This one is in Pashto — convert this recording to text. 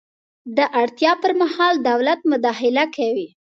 د اړتیا پر مهال دولت مداخله کوي.